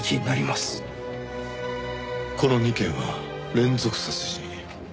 この２件は連続殺人？